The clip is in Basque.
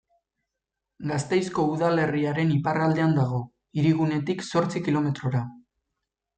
Gasteizko udalerriaren iparraldean dago, hirigunetik zortzi kilometrora.